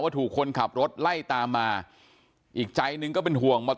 ถูกคนขับรถไล่ตามมาอีกใจหนึ่งก็เป็นห่วงมอเตอร์